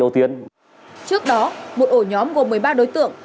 trước đó một ổ nhóm gồm một mươi ba đối tượng